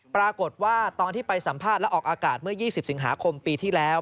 ตอนที่ไปสัมภาษณ์และออกอากาศเมื่อ๒๐สิงหาคมปีที่แล้ว